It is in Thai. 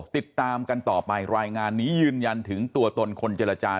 ติดตามกันต่อไปรายงานนี้ยืนยันถึงตัวตนคนเจรจา